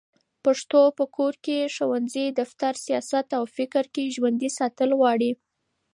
پښتو په کور، ښوونځي، دفتر، سیاست او فکر کې ژوندي ساتل غواړي